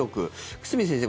久住先生